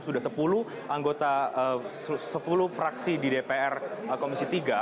sudah sepuluh anggota sepuluh fraksi di dpr komisi tiga